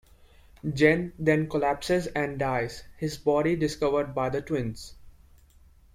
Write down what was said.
Gen then collapses and dies, his body discovered by the twins.